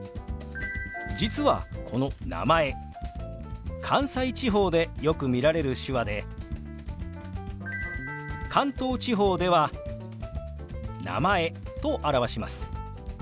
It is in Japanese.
実はこの「名前」関西地方でよく見られる手話で関東地方では「名前」と表します。